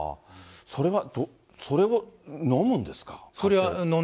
それは、それを飲むんですか？